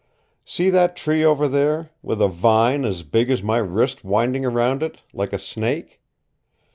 See that tree over there, with a vine as big as my wrist winding around it, like a snake?